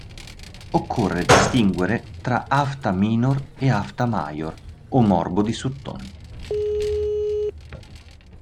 Occorre distinguere tra afta minor e afta major o morbo di sutton.